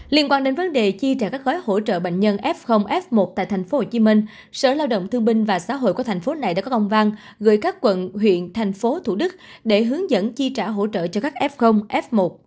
liên quan đến vấn đề chi trả các gói hỗ trợ bệnh nhân f f một tại tp hcm sở lao động thương binh và xã hội của thành phố này đã có công văn gửi các quận huyện thành phố thủ đức để hướng dẫn chi trả hỗ trợ cho các f f một